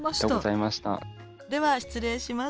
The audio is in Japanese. では失礼します。